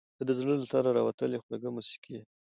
• ته د زړه له تله راوتلې خوږه موسیقي یې.